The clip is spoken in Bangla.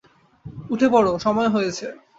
উঠে পড়ো, সময় হয়েছে।